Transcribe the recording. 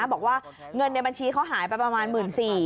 บอกว่าเงินในบัญชีเขาหายไปประมาณหมื่นสี่